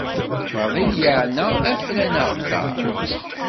Fadil yeɛna afran aɣeddaṛ.